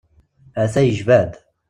A-t-a yejba-d.